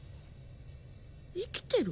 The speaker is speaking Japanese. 生きてる？